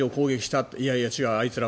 いやいや違う。